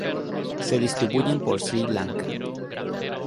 Se distribuyen por Sri Lanka.